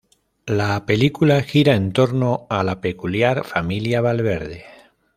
La película gira en torno a la peculiar familia Valverde.